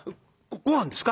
ごはんですか？